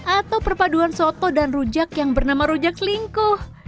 atau perpaduan soto dan rujak yang bernama rujak selingkuh